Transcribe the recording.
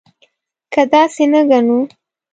که داسې نه ګڼو.